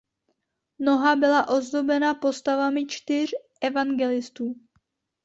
Noha byla ozdobena postavami čtyř evangelistů.